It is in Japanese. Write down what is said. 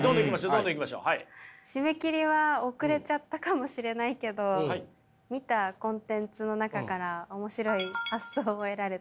締め切りは遅れちゃったかもしれないけど見たコンテンツの中から面白い発想を得られた。